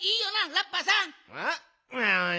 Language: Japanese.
ラッパーさん。